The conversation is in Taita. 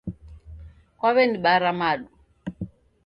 Kwaw'enibara madu